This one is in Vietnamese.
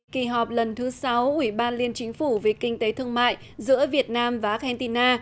kỳ họp lần thứ sáu ủy ban liên chính phủ về kinh tế thương mại giữa việt nam và argentina